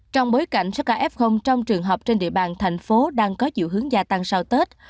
trong bối cảnh skf trong trường học trên địa bàn thành phố đang có dự hướng gia tăng sau tết